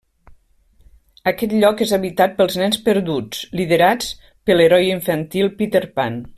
Aquest lloc és habitat pels nens perduts liderats per l'heroi infantil, Peter Pan.